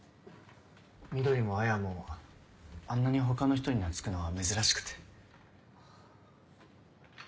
碧も彩もあんなに他の人に懐くのは珍しくて。